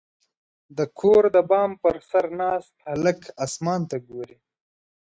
• د کور د بام پر سر ناست هلک اسمان ته ګوري.